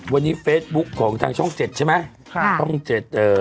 วันนี้เฟซบุ๊คของทางช่องเจ็ดใช่ไหมค่ะช่องเจ็ดเอ่อ